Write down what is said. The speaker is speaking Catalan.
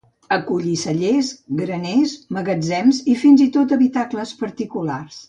Acollí cellers, graners, magatzems i fins i tot habitacles particulars.